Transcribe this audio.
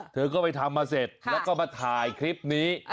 เธอก็ไปทำมาเสร็จแล้วก็มาถ่ายคลิปนี้